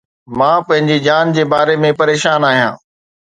مان پنهنجي جان جي باري ۾ پريشان آهيان.